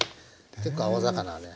結構青魚はね